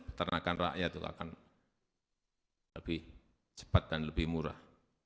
peternakan rakyat itu akan lebih cepat dan lebih murah